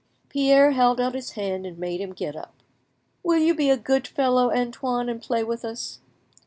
Pierre held out his hand and made him get up. "Will you be a good fellow, Antoine, and play with us?"